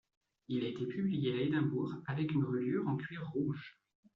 Il a été publié à Édimbourg avec une reliure en cuir rouge.